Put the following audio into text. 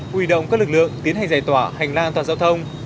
hủy động các lực lượng tiến hành giải tỏa hành lang toàn giao thông